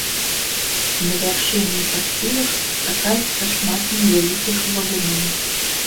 На вяршыні і па схілах сустракаецца шмат невялікіх валуноў.